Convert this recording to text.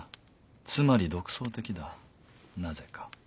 つまり独創的だなぜか？